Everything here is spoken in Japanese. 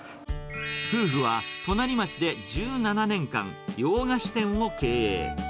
夫婦は、隣町で１７年間、洋菓子店を経営。